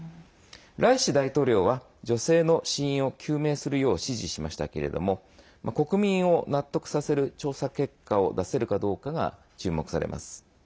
ライシ大統領は女性の死因を究明するよう指示しましたけれど国民を納得させる調査結果を出せるかどうかが注目されます。